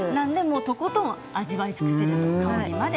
とことん味わい尽くす香りまで。